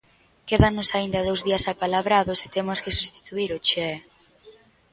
Quédannos aínda dous días apalabrados e temos que sustituír ó Che...